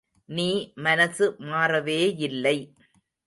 நீ மனசு மாறவேயில்லை.